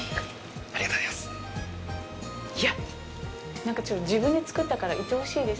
ありがとうございます。